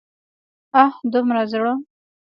اه! دومره زړه!